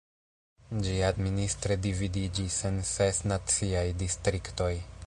Ĝi administre dividiĝis en ses naciaj distriktoj.